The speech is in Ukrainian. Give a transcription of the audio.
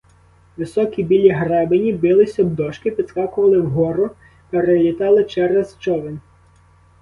Високі білі гребені бились об дошки, підскакували вгору, перелітали через човен.